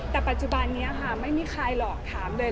แต่ปัจจุบันนี้ค่ะไม่มีใครหรอกถามเลย